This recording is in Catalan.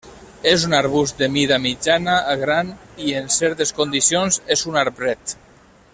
És un arbust de mida mitjana a gran i en certes condicions és un arbret.